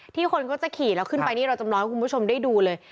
คนก็จะขี่แล้วขึ้นไปนี่เราจำลองให้คุณผู้ชมได้ดูเลย